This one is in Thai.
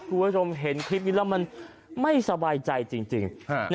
คุณผู้ชมเห็นคลิปนี้แล้วมันไม่สบายใจจริง